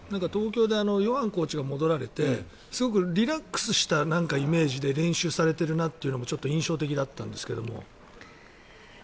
東京でヨハンコーチが戻られてすごくリラックスしたイメージで練習されてるなというのも印象的だったんですけれど。